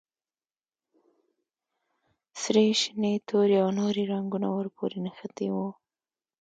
سرې، شنې، تورې او نورې رنګونه ور پورې نښتي وو.